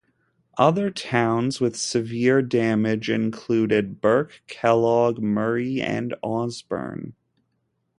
Other towns with severe damage included: Burke, Kellogg, Murray, and Osburn.